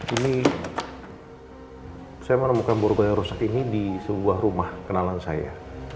ini saya menemukan borbalai rosak ini di sebuah rumah kenalan saya